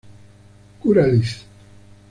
Cura Lic.